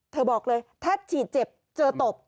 บอกเลยถ้าฉีดเจ็บเจอตบ